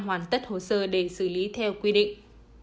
hoàn tất hồ sơ để xử lý theo quy định